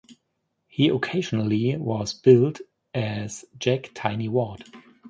He occasionally was billed as Jack "Tiny" Ward.